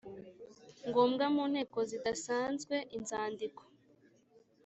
ngombwa mu nteko zidasanzwe inzandiko